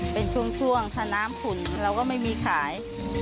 เป็นช่วงถ้าน้ำขุ่นเราก็ไม่มีขาย